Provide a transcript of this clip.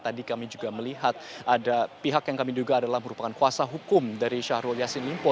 tadi kami juga melihat ada pihak yang kami duga adalah merupakan kuasa hukum dari syahrul yassin limpo